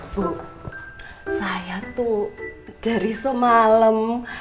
bu saya tuh dari semalam